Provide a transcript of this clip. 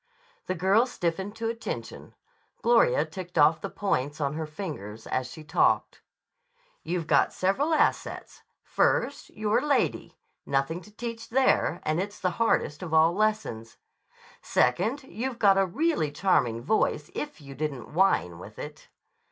The girl stiffened to attention. Gloria ticked off the points on her fingers as she talked. "You've got several assets. First, you're a lady. Nothing to teach there, and it's the hardest of all lessons. Second, you've got a really charming voice if you didn't whine with it.